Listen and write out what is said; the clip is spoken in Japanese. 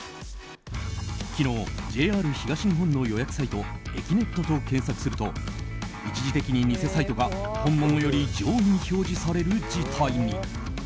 昨日、ＪＲ東日本の予約サイト「えきねっと」と検索すると一時的に偽サイトが本物より上位に表示される事態に。